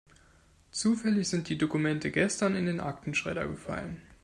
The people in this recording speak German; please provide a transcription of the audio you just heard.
Zufällig sind die Dokumente gestern in den Aktenschredder gefallen.